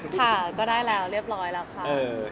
ค่ะก็ได้แล้วเรียบร้อยแล้วค่ะ